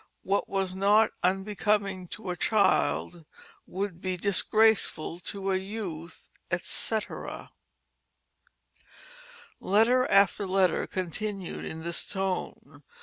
What was not unbecoming to a child would be disgraceful to a youth" etc. Letter after letter continued in this tone.